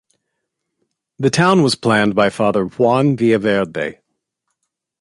The town was planned by Father Juan Villaverde.